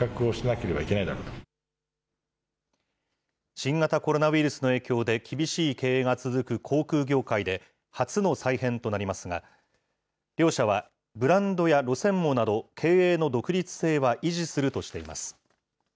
新型コロナウイルスの影響で、厳しい経営が続く航空業界で、初の再編となりますが、両社はブランドや路線網など、経営の独立性は維持するとしています。